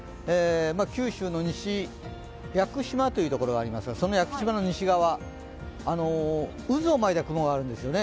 九州の西、屋久島というところがありますが、その屋久島の西側、渦を巻いた雲があるんですよね。